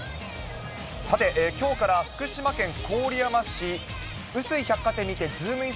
さて、きょうから福島県郡山市、うすい百貨店にて、ズームイン！！